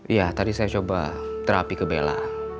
iya tadi saya coba terapi ke bella